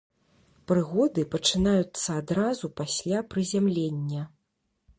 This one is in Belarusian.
Прыгоды пачынаюцца адразу пасля прызямлення.